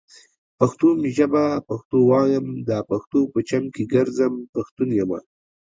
پښتو می ژبه پښتو وايم، دا پښتنو په چم کې ګرځم ، پښتون يمه